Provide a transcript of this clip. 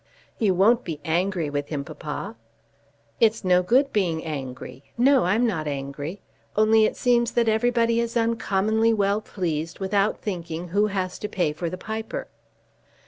"You won't be angry with him, papa!" "It's no good being angry. No; I'm not angry. Only it seems that everybody is uncommonly well pleased without thinking who has to pay for the piper."